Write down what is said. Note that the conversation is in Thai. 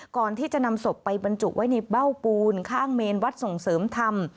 ก่อนที่จะนำศพไปบรรจุไว้ในเบ้าปูนข้างเมนวัดส่งเสริมธรรม